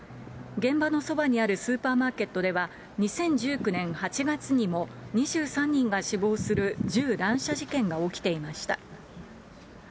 現場のそばにあるスーパーマーケットでは２０１９年８月にも２３人が死亡する銃乱射事件が起きていました。